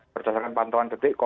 berdasarkan pantauan detik